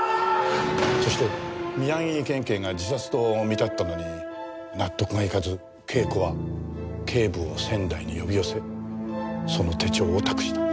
そして宮城県警が自殺と見立てたのに納得がいかず啓子は警部を仙台に呼び寄せその手帳を託した。